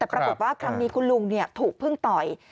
แต่ปรากฏว่าครั้งนี้คุณลุงถูกพึ่งต่อย